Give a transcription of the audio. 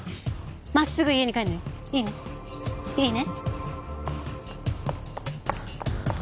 まっすぐ家に帰るのよ。いいね？いいね？